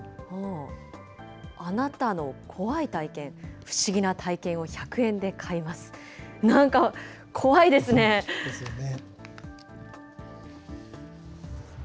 あなたの怖い体験、不思議な体験を１００円で買います。ですよね。